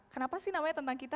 kenapa sih namanya tentang kita